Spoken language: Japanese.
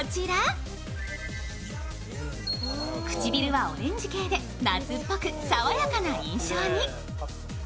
唇はオレンジ系で夏っぽく爽やかな印象に。